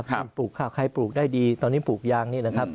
พูดแล้วก็พูดครับใครปลูกได้ดีตอนนี้ปลูกยางนี่นะครับ